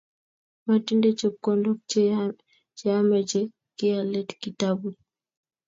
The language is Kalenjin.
Motindo chepkondok cheyame che kiyalet kitabut